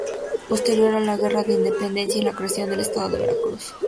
Posterior a la guerra de independencia, y la creación del estado de Veracruz.